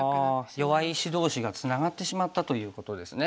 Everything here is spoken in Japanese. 弱い石同士がツナがってしまったということですね。